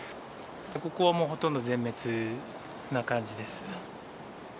ここはもうほとんど全滅な感じです。